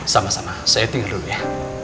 sama sama saya tinggal ya